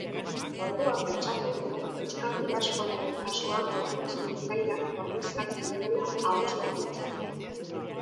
Orduan pentsatu nuen euskal diasporaren kasuan gorputz mintzairak ordezkatzen duela ahozko mintzaira.